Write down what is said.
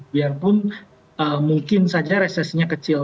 biarpun mungkin saja resesinya kecil